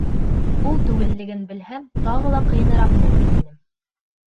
Ул түгеллеген белһәм, тағы ла ҡыйыныраҡ булыр, тинем.